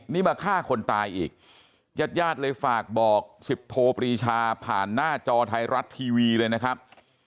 นี่มาฆ่าคนตายอีกญาติญาติเลยฝากบอกสิบโทปรีชาผ่านหน้าจอไทยรัฐทีวีเลยนะครับ